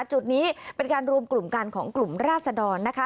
จุดนี้เป็นการรวมกลุ่มกันของกลุ่มราศดรนะคะ